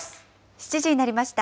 ７時になりました。